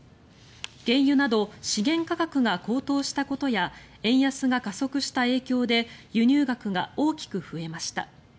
原油など資源価格が高騰したことや円安が加速した影響で輸入額が大きく増えました。